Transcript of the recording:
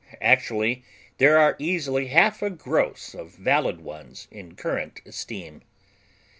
Actually there are easily half a gross of valid ones in current esteem.